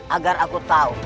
agar aku tahu